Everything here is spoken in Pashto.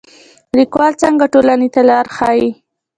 لیکوال څنګه ټولنې ته لار ښيي؟